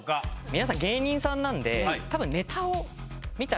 皆さん芸人さんなんで。